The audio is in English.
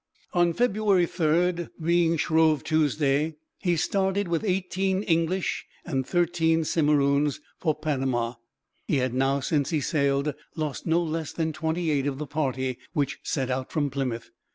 On February 3rd, being Shrove Tuesday, he started with eighteen English and thirteen Simeroons for Panama. He had now, since he sailed, lost no less than twenty eight of the party which set out from Plymouth.